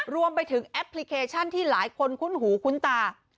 แอปพลิเคชันที่หลายคนคุ้นหูคุ้นตา